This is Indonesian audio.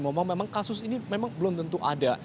memang kasus ini memang belum tentu ada